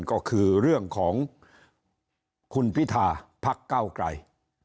ก็คือเรื่องของคุณพิธาพักเก้าไกร